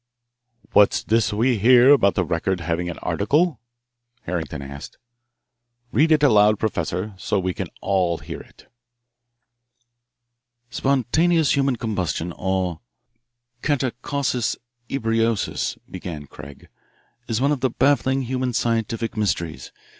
"What's this we hear about the Record having an article?" Harrington asked. "Read it aloud, Professor, so we can all hear it." "'Spontaneous human combustion, or catacausis ebriosus,'" began Craig, "'is one of the baffling human scientific mysteries.